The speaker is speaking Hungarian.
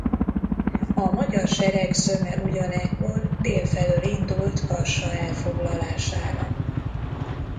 A magyar sereg zöme ugyanekkor dél felől indult Kassa elfoglalására.